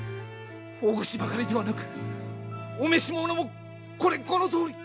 おぐしばかりではなくお召し物もこれこのとおり。